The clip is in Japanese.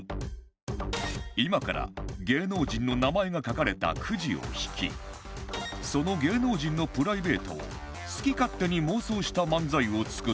今から芸能人の名前が書かれたクジを引きその芸能人のプライベートを好き勝手に妄想した漫才を作ってもらう